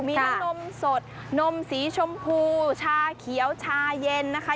มีทั้งนมสดนมสีชมพูชาเขียวชาเย็นนะคะ